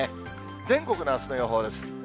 全国のあすの予報です。